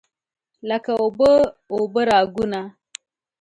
لکه اوبه، اوبه راګونه